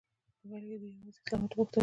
په پیل کې دوی یوازې اصلاحات غوښتل.